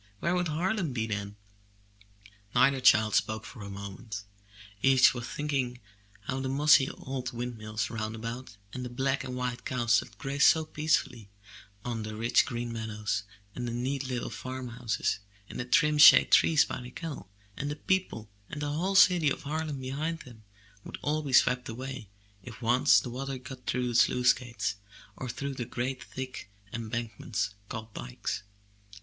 Where would Harlem be then? Neither child spoke for a moment. Each was think ing how the mossy old windmills round about, and the black and white cows that grazed peacefully on 184 UP ONE PAIR OF STAIRS the rich green meadows, and the neat little farm houses, and the trim shade trees by the canal, and the people, and the whole city of Harlem behind them, would all be swept away, if once the water got through the sluice gates, or through the great thick embankments called dikes.